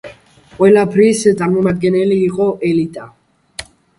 ყველაფრის წარმმართველი იყო ელიტა.